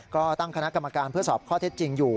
ก็ตั้งคณะกรรมการเพื่อสอบข้อเท็จจริงอยู่